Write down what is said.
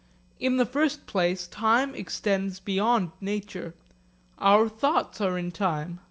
In the first place time extends beyond nature. Our thoughts are in time.